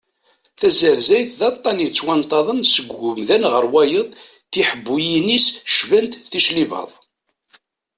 Tazarzayt d aṭan yettwanṭaḍen seg umdan ɣer wayeḍ, tiḥebuyin-is cbant ticlibaḍ.